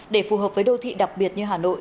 để phù hợp với đô thị đặc biệt như hà nội